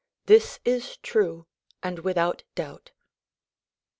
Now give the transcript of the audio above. This is true and without doubt.